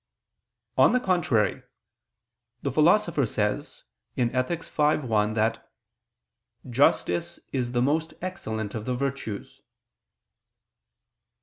On the contrary, The Philosopher says (Ethic. v, 1) that "justice is the most excellent of the virtues."